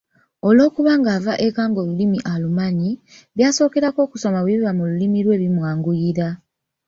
Olw’okubanga ava eka ng’olulimi alumanyi, byasookerako okusoma bwe biba mu lulimi lwe bimwanguyira.